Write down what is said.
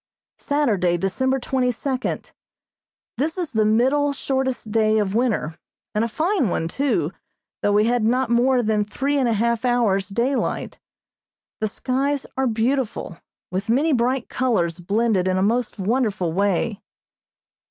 Saturday, December twenty second: This is the middle shortest day of winter, and a fine one, too, though we had not more than three and a half hours daylight. The skies are beautiful, with many bright colors blended in a most wonderful way.